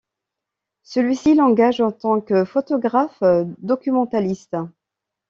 Celui-ci l'engage en tant que photographe documentaliste.